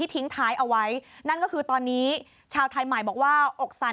ได้ยินโบบ